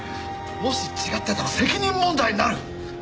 もし違ってたら責任問題になる！